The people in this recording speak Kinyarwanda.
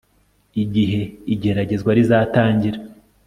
igihe igeragezwa rizatangira